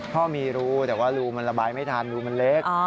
พ่อมีรูแต่ว่ารูมันระบายไม่ทันรูมันเล็ก